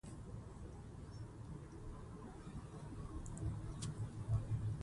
مور یې وايي دا د هغې او پلار له امله دی.